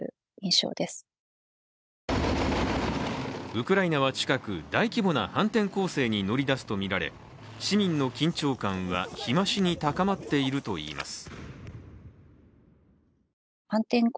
ウクライナは近く大規模な反転攻勢に乗り出すとみられ市民の緊張感は日増しに高まっているといいます。